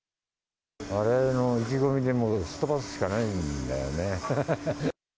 われわれの意気込みですっ飛ばすしかないんだよね。